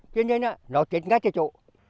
cho nên nó chuyển ngay chỗ chỗ